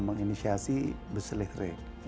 menginisiasi bus elektrik